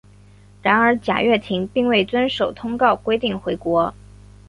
然而贾跃亭并未遵守通告规定回国。